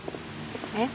えっ？